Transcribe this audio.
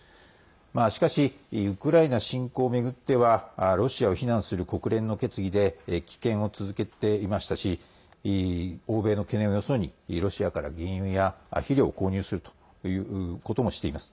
しかしウクライナ侵攻を巡ってはロシアを非難する国連の決議で棄権を続けていましたし欧米の懸念をよそにロシアから原油や肥料を購入することもしています。